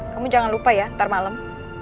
kamu jangan lupa ya ntar malam